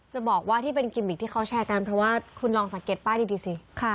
จะบอกว่าที่เป็นกิมมิกที่เขาแชร์กันเพราะว่าคุณลองสังเกตป้ายดีสิ